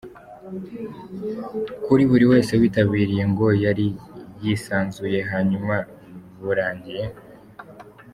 kuri buri wese witabiriye ngo yari yisanzuye hanyuma burangiye